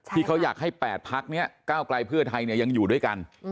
ที่เขาอยากให้๘พักนี้ก้าวไกลเพื่อไทยยังอยู่ด้วยกัน